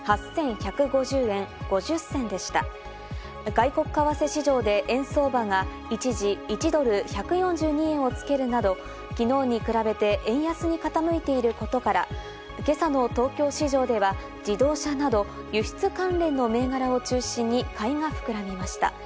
外国為替市場で円相場が一時、１ドル＝１４２円をつけるなど、昨日に比べて円安に傾いていることから今朝の東京市場では、自動車など輸出関連の銘柄を中心に買いが膨らみました。